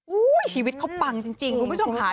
อุ๊ยชีวิตเขาปังจริงกูไม่ชมหา